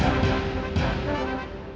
sesungguhnya tidak berurusan